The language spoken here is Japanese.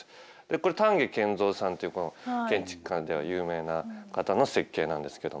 これ丹下健三さんっていう建築界では有名な方の設計なんですけども。